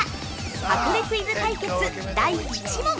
箱根クイズ対決、第１問。